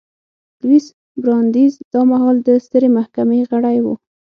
لویس براندیز دا مهال د سترې محکمې غړی و.